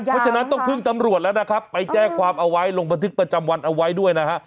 เพราะฉะนั้นต้องพึ่งตำรวจแล้วนะครับไปแจ้งความเอาไว้ลงบันทึกประจำวันเอาไว้ด้วยนะฮะ